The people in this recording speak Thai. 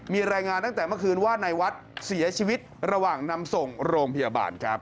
มีรายงานตั้งแต่เมื่อคืนว่านายวัดเสียชีวิตระหว่างนำส่งโรงพยาบาลครับ